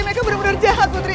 mereka bener bener jahat putri